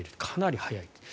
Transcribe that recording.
かなり早い。